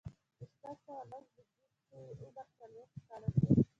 په شپږ سوه لس زيږديز کې یې عمر څلوېښت کاله شو.